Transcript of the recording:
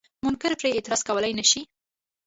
منکر پرې اعتراض کولای نشي.